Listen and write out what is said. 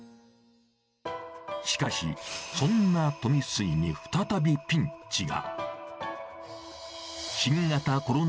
しかし、そんな富水に再びピンチが。